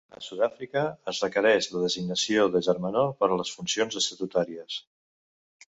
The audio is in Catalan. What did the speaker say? A Sud-àfrica, es requereix la designació de germanor per a les funcions estatutàries.